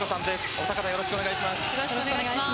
お二方、よろしくお願いします。